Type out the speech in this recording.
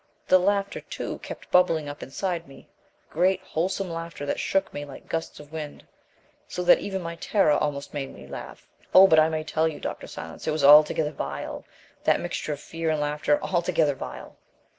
The laughter, too, kept bubbling up inside me great wholesome laughter that shook me like gusts of wind so that even my terror almost made me laugh. Oh, but I may tell you, Dr. Silence, it was altogether vile, that mixture of fear and laughter, altogether vile!